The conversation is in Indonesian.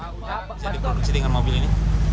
bisa diproduksi dengan mobil ini